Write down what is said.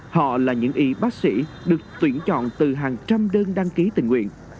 họ là những y bác sĩ được tuyển chọn từ hàng trăm đơn đăng ký tình nguyện